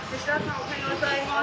おはようございます。